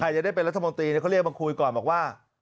จะได้เป็นรัฐมนตรีเขาเรียกมาคุยก่อนบอกว่า